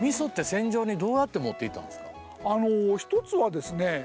一つはですね